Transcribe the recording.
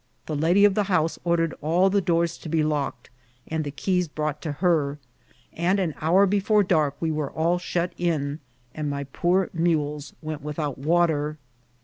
The lady of the house ordered all the doors to be locked and the keys brought to her, and an hour before dark we were all shut in, and my poor mules went without water.